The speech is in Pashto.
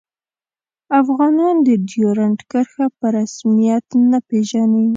افغانان د ډیورنډ کرښه په رسمیت نه پيژني